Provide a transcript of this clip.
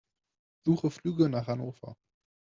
Suche Flüge nach Hannover.